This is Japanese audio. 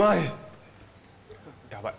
やばい。